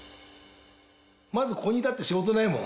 まずここにいたって仕事ないもん。